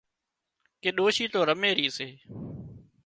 ڪي ڏوشي تو رمي رِي سي